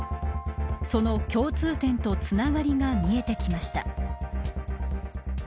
その共通点とつながりが見えてきました。